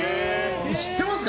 知ってますか？